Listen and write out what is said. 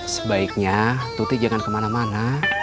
sebaiknya tuti jangan kemana mana